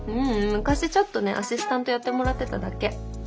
昔ちょっとねアシスタントやってもらってただけ。